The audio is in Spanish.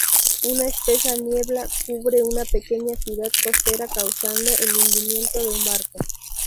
Una espesa niebla cubre una pequeña ciudad costera causando el hundimiento de un barco.